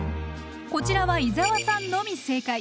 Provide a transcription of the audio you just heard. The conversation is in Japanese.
こちらは伊沢さんのみ正解。